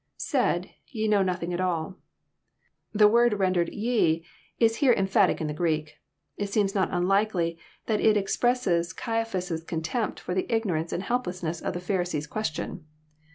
*' lSaid.,.Te know nothing at aK.] The word rendered "ye" is here emphatic in the Greek. It seems not unlikely that it ex presses Caiaphas* contempt for the ignorance and helplessness of the Pharisees' question.